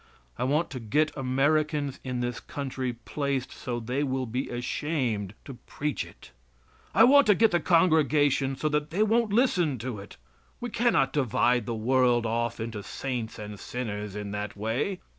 I want to get Americans in this country placed so they will be ashamed to preach it. I want to get the congregations so that they won't listen to it. We cannot divide the world off into saints and sinners in that way.